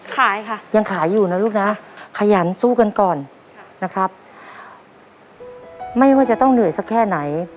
ขายค่ะยังขายอยู่นะลูกนะขยันสู้กันก่อนนะครับไม่ว่าจะต้องเหนื่อยสักแค่ไหน